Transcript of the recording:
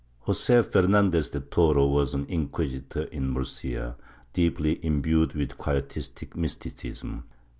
Joseph Fernandez de Toro was an inquisitor in Murcia, deeply imbued with quietistic Mysticism.